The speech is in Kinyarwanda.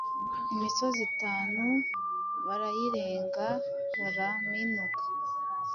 imisozi itanu barayirenga baraminuka